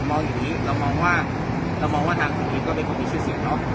ข้อมูลให้เรารู้ว่าการกี่อีกคดีมันนึงมีเป็นแปลก